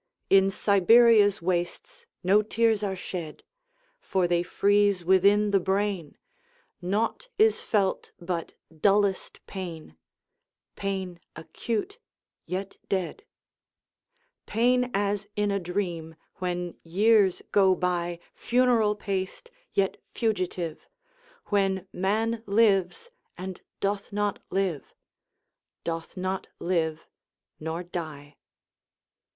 In Siberia's wastesNo tears are shed, For they freeze within the brain. Naught is felt but dullest pain, Pain acute, yet dead; Pain as in a dream, When years go byFuneral paced, yet fugitive, When man lives, and doth not live, Doth not live—nor die.